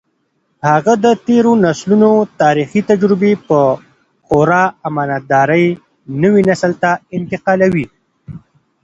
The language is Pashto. هغه د تېرو نسلونو تاریخي تجربې په خورا امانتدارۍ نوي نسل ته انتقالوي.